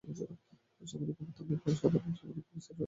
সামরিক অভ্যুত্থানের পর সাধারণত সামরিক অফিসাররা এই পদ লাভ করেন।